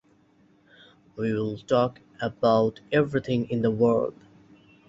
We will talk about everything in the world.